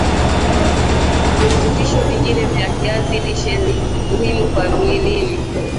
virutubisho vingine vya kiazi lishe ni muhimu kwa mwilini